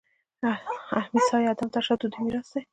اهیمسا یا عدم تشدد د دوی میراث دی.